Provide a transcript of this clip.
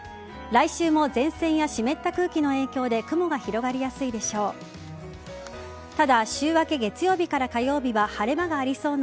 来週も前線や湿った空気の影響で雲が広がりやすいでしょう。